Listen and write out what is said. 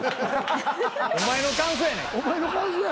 お前の感想やねん。